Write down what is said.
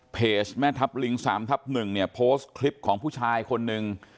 เพจแม่ทัพลิง๓ทับ๑เนี่ยโพสต์คลิปของผู้ชายคนหนึ่ง